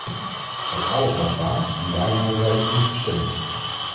Dat alles was waar en daarom hebben wij u toen gesteund.